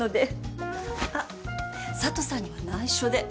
あっ佐都さんには内緒で